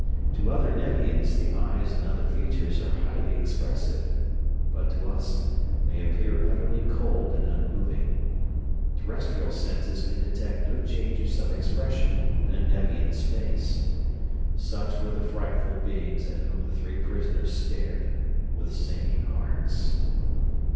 To other Nevians the eyes and other features are highly expressive, but to us they appear utterly cold and unmoving. Terrestrial senses can detect no changes of expression in a Nevian's "face." Such were the frightful beings at whom the three prisoners stared with sinking hearts.